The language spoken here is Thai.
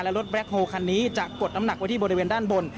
และรถแล็คโฮลคันนี้จะกดน้ำหนักไว้ที่บริเวณด้านบน